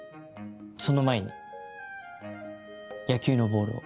その前に野球のボールを。